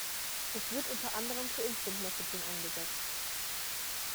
Es wird unter anderem für Instant Messaging eingesetzt.